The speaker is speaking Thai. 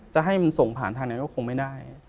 จะให้มันส่งผ่านทางไหนก็คงไม่ได้